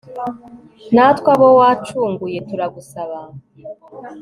natwe abo wacunguye, turagusaba